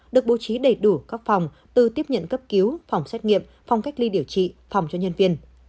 được bố trí đầy đủ các phòng từ tiếp nhận cấp cứu phòng xét nghiệm phòng cách ly điều trị phòng cho nhân viên